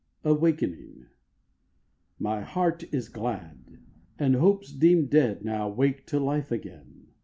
AWAKENING. My heart is glad, And hopes deemed dead now wake to life again.